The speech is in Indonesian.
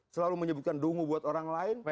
selalu menyebutkan dungu buat orang lain